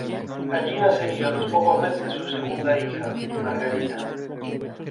Allí nacería a los pocos meses su segunda hija, Margarita.